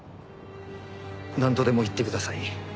なんとでも言ってください。